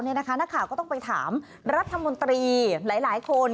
นักข่าวก็ต้องไปถามรัฐมนตรีหลายคน